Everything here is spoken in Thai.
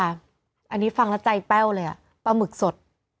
อันนี้ฟังแล้วใจแป้วเลยอ่ะปลาหมึกสด